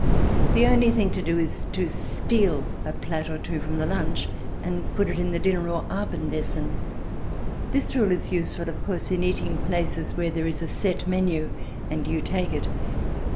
The only thing to do is to steal a plat or so from the lunch and put it in the dinner or Abend essen. This rule is useful, of course, in eating places where there is a set menu and you take it.